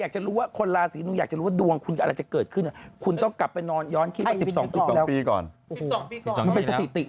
ใช่คือแด่สองต่อ